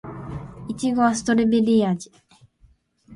いちごはストベリー味